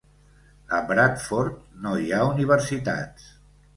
A Bradford no hi ha universitats.